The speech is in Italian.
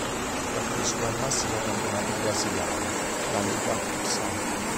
Partecipa al massimo campionato brasiliano, la Liga Futsal.